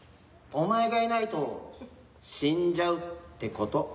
お前がいないと死んじゃうってこと。